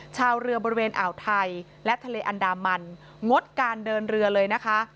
ชาวเรือบริเวณอ่าวไทยและทะเลอันดามันงดการเดินเรือเลยนะคะ